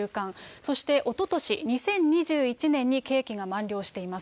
そしておととし２０２１年に刑期が満了しています。